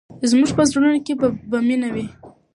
زموږ په زړونو کې به مینه وي.